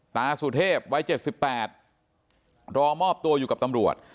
ตาสุเทพวัย๗๘รอมอบตัวอยู่กับตำรวจ